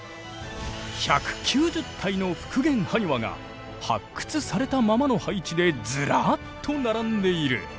１９０体の復元ハニワが発掘されたままの配置でズラッと並んでいる。